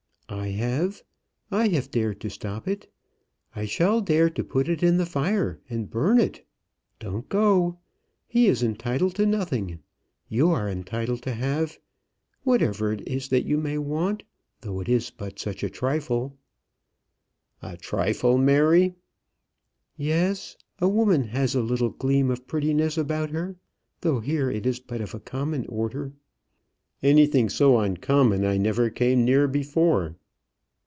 "I have. I have dared to stop it. I shall dare to put it in the fire and burn it. Don't go! He is entitled to nothing. You are entitled to have, whatever it is that you may want, though it is but such a trifle." "A trifle, Mary!" "Yes. A woman has a little gleam of prettiness about her, though here it is but of a common order." "Anything so uncommon I never came near before."